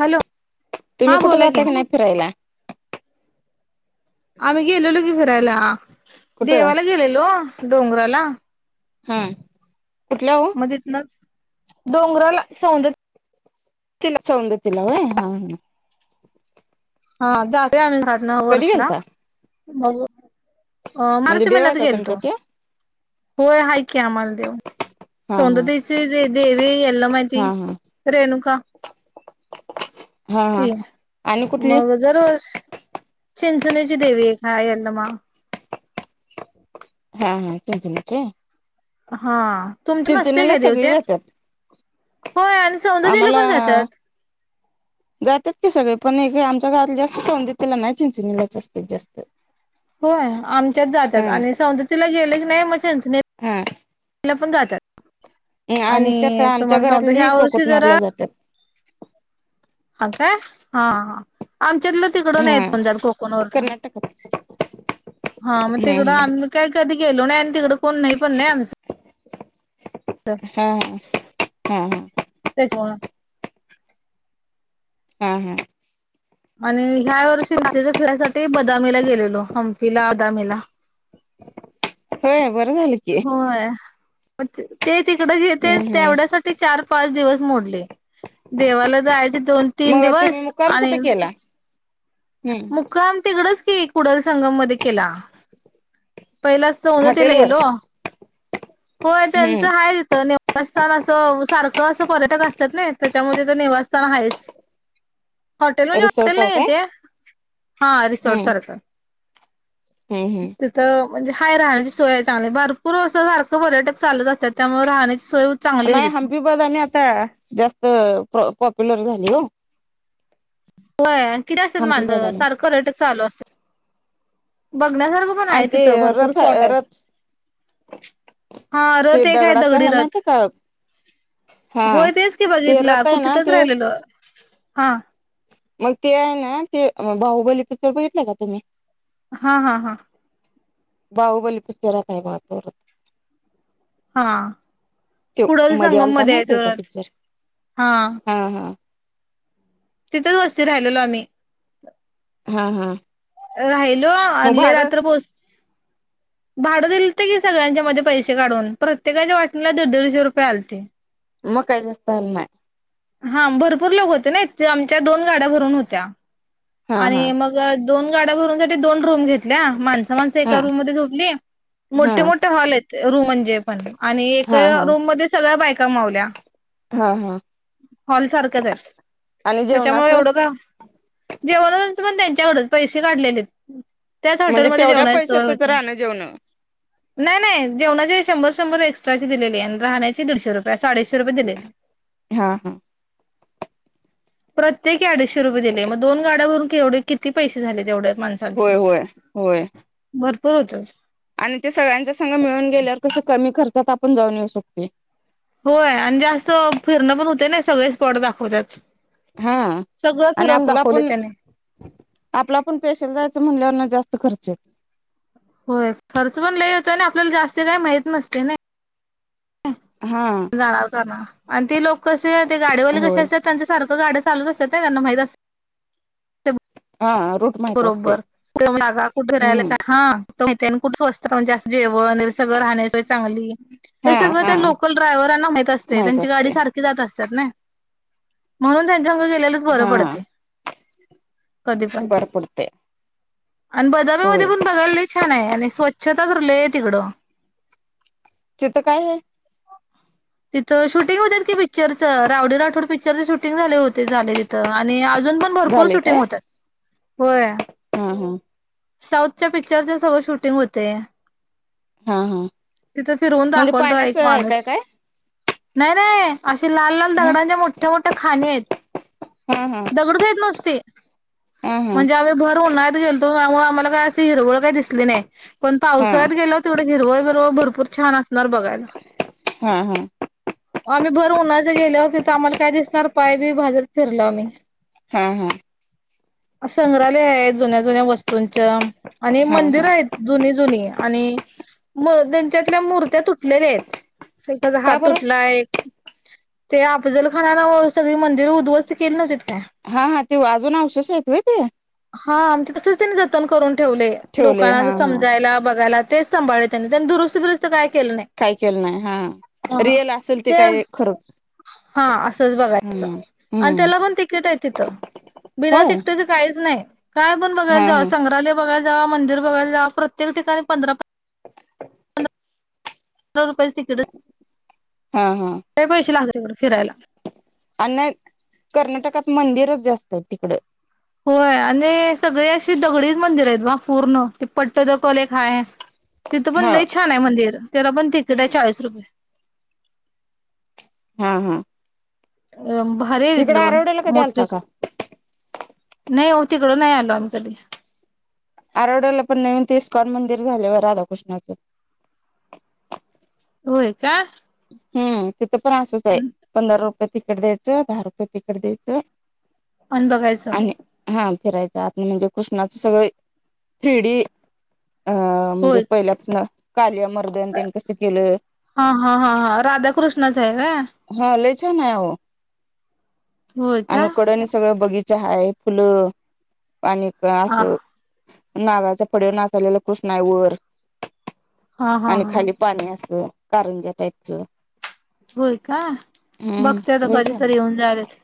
Hello तुम्ही हा कुठ बोला की जाताय का नाय फिरायला? आम्ही गेलेलो की, फिरायला कुठं? देवाला गेलेलो डोंगराला. हं. मग तिथंनच डोंगराला सौंद् सौंदतीला व्हय हां हां. हां, जातोय आम्ही घरातन वर्षाला मग अ म्हणजे मार्च देव आहे महिन्यात का गेलतो. तुमचा त्यो? होय, हाय की आम्हाला देव. हा हा. सौंदतीची जी देवी यल्लमा हाय ती हा हा रेणुका. हा हा ती आणि कुठली? मग जर वर्ष चिंचनीची देवी एक हाय यल्लमा. हां हां, चिंचनीची. हां. तुमच नसतय काय देव? ते जात्यात होय आन् सौंदतीला पन जात्यात. [inaudible] जात्यात की सगळे पण एक आमच्या गावातली जास्त सौंद्दत्तीला नाय चिंचणीलाच असत्यात जास्त. होय. आमच्यात जात्यात आणि हा सौंदत्तीला गेले की नाही मगं चिंचनीत लपुन जात्यात. आणि आमच्या तर अ आमच्या तुम्हाला सांगतो. घरातली ह्या वर्षी जरा कोकटनारला जात्यात. हां, काय हां हां आमच्यातलं तिकडं नाहित हा पन जात कोकोनोरला. कर्नाटकात. हां, मगं हम्म तिकडं हम्म आमच काय कधी गेलो नाय आणि तिकड कोण नाही पण नाही आमच. हां हां हां. त्याच्यामुळं हां हां. आणि ह्या वर्षी तीच्या फिरायसाठी आम्ही बदामीला गेलेलो हम्पीला, बदामीला. होय. बरं झाल की. म त् ते तिकड घेते हम्म हम्म तेवढ्या साठी चारपाच दिवस मोडले. देवाला जायचे दोन तीन मग दिवस तुम्ही मुक्काम आणि कुठे केला? हम्म मुक्काम तिकडच की कुडलसंगम मध्ये केला. पहिला सोंदतीला हॉटेल वर गेलो. होय त्यांच हम्म हाय तिथ बसस्थान असं अ सारखं असं पर्यटक असत्यात नइ त्याच्यामध्ये निवासस्थान हायच. हॉटेल म्हणजे हॉटेल रिसॉर्ट नाही आहे काय? ते हा रिसोर्ट हम्म सारख हम्म हम्म. म्हंजे हाय राहण्याची सोयाय चांगली भारपूर वसं सारखं पर्यटक चालूच असत्यात त्यामुळे राहण्याची सोय चांगली आहे न्हाय तिथं. हम्पी बदामी आता जास्तअ प्रो पॉप्युलर झाली ओ. व्होय किती असत्यात हम्पी मांन्स बदामी सारखं पर्येटक चालू अस बघण्यासारखं पण आणि हाय ते तिथं भरपूर रथ स्पॉटायत. रथ हां ते रथ एक हाय दगडाच दगडी आहे रथ. माहिती का हा होय तेच की ते बघितला रथ आहे ना कुट्तीतच ते राहिलेल हां. मग ते हायना ते अ भाहुबली पिक्चर बगिटलायका तुम्ही? हां हां हां. बाहुबली पिक्चरात हाय बघा तो रथ. हां त्यो कुडल मध्ये संगम आलता मद्येय माहितीय त्यो का रथ पिक्चर हां. हा हा तितच वस्ती राहिलेलो आम्ही. हां हां. राहिलो आदले रात्र पोच भाडं दिल्त की सगळ्यांच्या मध्ये पैशे काढून प्रत्येकाच्या वाटणीला दीडदीडशे रुपये आल्ते. मग काय जास्त झालनाय. हां भरपूर लोकं होते नइ ते आमच्या दोन गाड्या भरून होत्या हा आणि हा मग दोन गाड्या भरूनसाठी दोन रूम घेतल्या. माणसं माणसं हा एका रूम मध्ये झोपली. हा मोठे मोठे हॉलहेत रूम म्हणजे पण, आणि एक हा हा रूम मध्ये सगळ्या बायका मावल्या. हा हा. हॉल सारख्याचहेत. आणि त्याच्यामुळं जेवणाचं एवढं का जेवण पण त्यांच्याकडचं पैसे काढलेले त्याच म्हणजे हॉटेलमध्ये तेवढ्या जेवणाची सोय पैशातच होती. राहणं जेवणं नाय नाय. जेवणाचे शंभर शंभर एक्स्ट्राचे दिलेले अन राहण्याचे दीडशे रुपये असे अडीचशे रुपये दिले. हा हा. प्रत्येकी अडीचशे रुपये दिले मग दोन गाड्या भरून केवढे किती पैसे झाले तेवढ्या माणसांचं होय होय होय भरपूर होतं आणि ते सगळ्यांच्या संगं मिळून गेल्यावर कसं कमी खर्चात आपण जाऊन येऊ शकते. होय आणि जास्त फिरणं पण होते ना सगळे स्पॉट दाखवत्यात. हा आणि आपला पण त्याने आपला पण पेशल म्हणल्यावनं जास्त खर्चए. होय खर्च पण लय येतोय ना आपल्याला जास्ती काय माहित नसते ना. हा जाणार का ना आणि ते लोक कसे ते गाडीवाले कसे होय असतात त्यांच सारखं त गाड्या चालूच असतात ते त्यांना माहीत ते हा रूट माहित असते बरोबर तेगा कुठे राहिल हम्म काय हां तिथेन खूप स्वस्त म्हणजे असं जेवण सगळं राहण्याचं चांगली हा हे सगळ हा ते लोक पन ड्रायवरांना माहीत असतंय. माहित त्यांची असते गाडी सारखी जात असत्यात ना, म्हणून त्यां [unintelligible] गेलेलं बरं हा पडतं, कधी पण. बर पडते अन बदामीमध्ये होय पण बघायला लै छाने आणि स्वच्छता तर लैहे तिकडं. तिथं काय हे? तिथं शूटिंग होत्यात की पिक्चरचं. रावडी राठोड पिक्चरचं शूटिंग झाले होते झाले तिथं आणि अजून पण भरपूर झाले काय शूटिंग होतात. होय हा हा. साऊथच्या पिक्चरचं सगळं शूटिंग होते. हा तिथं फिरवून दाखवलतं एक. [unintelligible] हे का काय? नाय नाय. असे लाल लाल ह दगडांच्या मोठ्या मोठ्या खाणीएत. हा हा दगडच येत नस ते. हा हा म्हणजे आम्ही भर उन्हाळ्यात गेलतो त्यामुळं आम्हाला काय अशी हिरवळ काय दिसली नै. पण हा पावसाळ्यात गेलो तेवढं हिरवळ बिरवळ भरपूर छान असणार बघायला. हा हा. आम्ही भर उन्हाळ्याचं गेल्यावं तिथं आम्हाला काय दिसणार, पाय बीय भाजत फिरलो आम्ही. हा हा. संग्रहालयहे जुन्या जुन्या वस्तूंचं आणि हा हा मंदिरंएत जुनी जुनी आणि म त्यांच्यातल्या मूर्त्या तुटलेल्याहेत. एकाचा का हात बरं तुटला एक ते अफझल खानानं सगळी मंदिर उद्ध्वस्त केली नव्हतीत काय? हा हा ते वाजून अवशेष हैत व्हय ते? हा आन ते तसच त्यांनी जतन करून ठेवलंय ठेवले लोकांना हा असं हा समजायला बघायला तेच सांभाळ [unintelligible] दुरुस्त बिरुस्त काय केलं नाही काही केलं नाही हा. अ हा रिअल असेल ते काय खरं. हा असंच बघायचं हम्म आणि हम्म त्याला पण तिकीटए तिथं. बिना होय तिकट्याचं काहीच नाय. काय पण बघायला हा जावा, हा संग्रहालय बघायला जावा मंदिर बघायला जावा प्रतेक ठिकाणी पंधरा रुपयाचं तिकीड हा [unintelligible] पैसे लागत तिकडे फिरायला. अन नै कर्नाटकात मंदिरच जास्तएत तिकडं. होय आणि सगळे अशी दगडीच मंदिरं हेत बा पूर्ण ते पट्ट द कल एक हाय. तिथं पण हा लई छाने मंदिर. त्याला पण तिकीटए हम्म चाळीस रुपये. हा.. हा. अ.. भारीये इकडं तिथल पण.. आरवड्याला कधी मोठे आलता च का नाही.. हो. तिकडं नाही आलो.. आम्ही कधी. आरड्याला पण नवीन ते इस्कॉन मंदिर झालय राधाकृष्णाच. होय.. का? ह्म्म.. तिथ पण असच हाय. पंधरा रुपये तिकट द्यायच दहा रुपये तिकट द्यायच. अन बघायच. फिरायच आत म्हणजे कृष्णाच सगळ थ्रीडी अ.. म्हणजे होय पाहिल्यापासन कार्य हा.. हा.. हा.. हा. राधा कृष्णाचये का? हा लय छान आहे अहो.. होय का आम्ही कुड नी सगळ बगी चहा वैगेरे पिलो. आणि अस हा नागाच्या फडवर नाचायलेला कृष्णये वर.. हा हा आणि हा खाली पाणी असतया. कारंजा टाईपच. होय.. का? बघते आता लय छान कधीतरी येऊन जाईलच.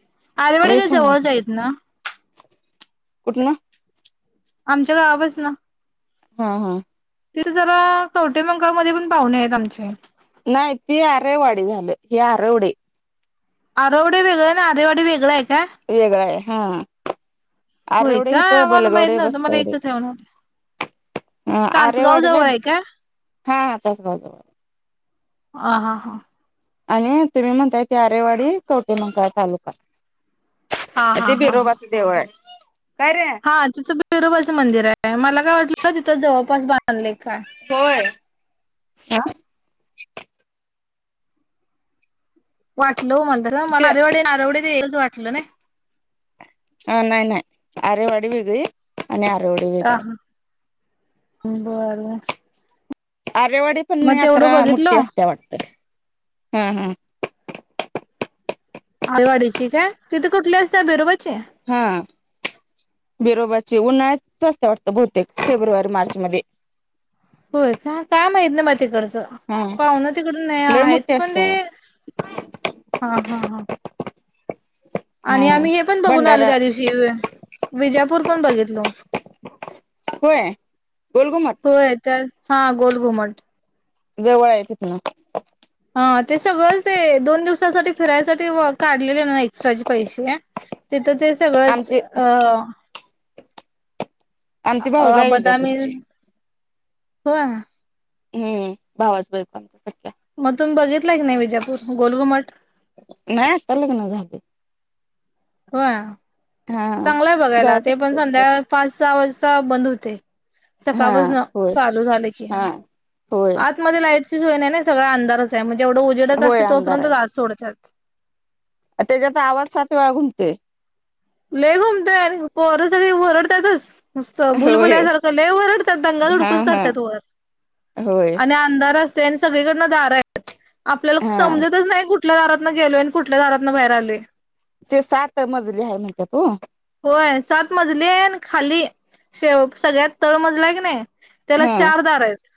आईवडील जवळच आयत ना? कुठल? आमच्या गावच ना? हा.. हा. तिथे जरा कवटे मंंगव मध्ये पण पाहुणये आहेत आमचे. नाय ती आरेवाडी झाली. ही आरेवडी. आरावडी वेगळ अन आरेवाडी वेगळये? वेगळ आहे. हा.. होय आरेवडी का इथ मला माहित बलगवडे नव्हतं मला बसतय बाई. एकच आहे म्हणाले अ.. तासगाव आरेवाडीला. जवळ आहे का हा.. आत्ताच बलवा. हा.. हा. आणि तुम्ही म्हणताय ते आरेवाडी. कवटे मकळा तालुका. हा हा ते हा हा बिरोबाचं देऊळ हाय. हा तिथं बिरोबाच मंदिरये. मला काय वाटल तिथ जवळपास बांधलय काय? होय.. हा. वाटल हो.. ते मला आरेवडे नारवडे वेगळच वाटल नाय? अ नाही नाही आरेवाडी वेगळी आणि आरावाडी वेगळाये. बरोबर. आरेवाडी पण यात्रा मोठी असतेय वाटत ह.. ह. आरेवाडीची का? तिथे कुठली असतेय बरोबर. हा.. बरोबाचे उन्हाळ्यात वाटत बहुतेक फेब्रुवारी मार्च मध्ये? होय.. का? काय माहीत नाही बाई तिकडच? हा पाव्हण तिकडून नाय लय आहेत मोठी पण असत्या ते? हा.. हा.. हा. आणि हा. आम्ही.. हे पण बघून आलो भंडारा त्या दिवशी? विजापूर पण बघितल. होय.. गोल घुमट. होय त्या हा गोल घुमट. जवळ आहे तिथन. हा ते सगळंच ते दोन दिवसासाठी फिरायसाठी काढलेले ना एक्स्ट्राचे पैसे तर ते सगळच आमचे अ.. आमचे भाऊजय अ.. आहे बदामी. विजापूरचे. होय.. ह्म्म.. भावाच होय पर.. म.. तुम्ही बघितल की नाही? विजापूर गोल घुमट? नाही आता [inaudible] होय.. हा चांगलंय बघायला. जायचं ते होतं पण कधी तर संध्या पाच सहा वाजता बंद होते. हा सकाळपासन होय चालू झाले की हा होय आतमध्ये लाईट नाही ना सगळा अंधारच आहे म्हणजे एवढं उजडच होय असते अंधार तोपर्यंत आत आहे सोडतात त्याच्यात आवाज सात वेळा घुमतोय लही घुमतय पोर सग वरडतातच नुसतं होय भुलभूलयासारखं लय वरडतात दंगा हा धुडगुस हा करतात वर होय आणि आंधार असते आणि सगळीकडनं दारा आहेच आपल्याला हा समजतच नाही कुठ कुठल्या दारातं गेलोय आणि कुठल्या दारातनं बाहेर आलय ते सात मजले आहे म्हणत तू होय सात मजली आहे खाली शेव सगळ्यात तळ मजला की नाही त्याला हा चार दार आहेत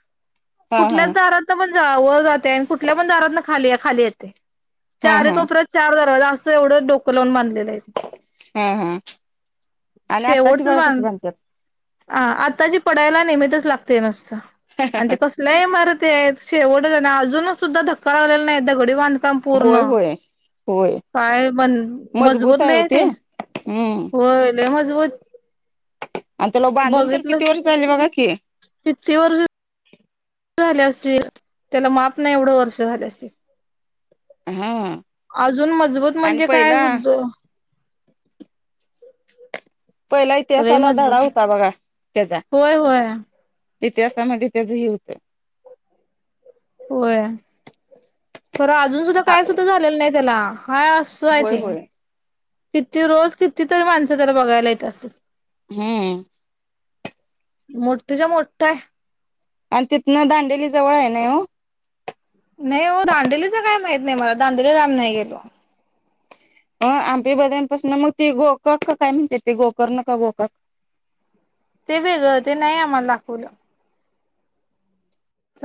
हा हा कुठल्या दारातण वर जाते कुठल्या पण दात खाली खाली येते हा चार हा कोपऱ्यात चार द एवढं डोकं लावून मानलेलं आहे हा हा आणि आत्ताची शेवटच बघा ब कशी बांधतात आत्ताची पडायला निमित्तच लागते नुसतं आणि ते कसल्या इमारती आहेत शेवट अजूनच सुद्धा काळलेलं नाही घडी बांधकाम पूर्ण होय होय होय काय पण म्हण मजबूत आहे लहि ओ हाय ते हम्म व्हय मजबूत आणि तला बांधून तर बघितलं किती वर्ष झाली बघा की किती वर्ष झाल्या असतील त्याला माप नाही एवढं वर्ष झाले असतील हा अजून मजबूत आणि म्हणजे काय पहिला सुद्ध पहिला लय इतिहासाला धडा मजबूत होता बघा त्याचा होय होय इतिहासामध्ये त्याच हे होतं होय खरं अजून सुद्धा काय सुद्धा झालेलं नाही त्याला हा असो आहे होय ते होय किती रोज कितीतरी माणसं त्याला बघायला येत असतील हम्म मोठ्ठच्या मोठ्ठ हाय आणि तिथन दांडेली जवळ आहे ना हो नाही हो दांडलीच काय माहित नाही मला दांडेलीला नाही गेलो हं हम्पि बदामीपसणं मग ते गोकाक काय म्हणते ते गोकर्ण काय गोकाक [inaudible] ते वेगळं ते नाही आम्हाला दाखवलं